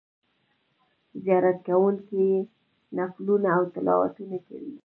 زیارت کوونکي په کې نفلونه او تلاوتونه کوي.